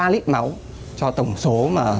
ba lít máu cho tổng số